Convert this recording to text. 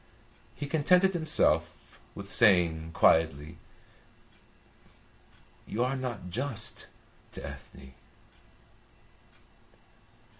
He contented himself with saying quietly: "You are not just to Ethne."